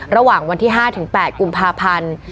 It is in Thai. ระหว่างวันที่๕๘กุมภาพันธ์